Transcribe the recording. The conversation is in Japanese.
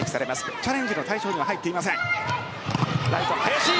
チャレンジの対象には入っていません。